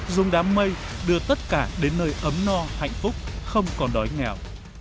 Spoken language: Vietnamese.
dùng đám mây đưa tất cả đến nơi ấm no hạnh phúc không còn đói nghèo